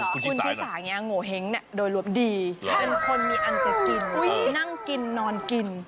คุณชิสาโงเห้งโดยรวมดีเป็นคนมีอันจะกินนั่งกินนอนกิน